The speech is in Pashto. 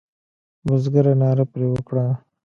بزګر ناره پر وکړه.